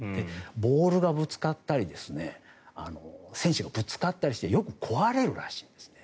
ボールがぶつかったり選手がぶつかったりしてよく壊れるらしいんですね。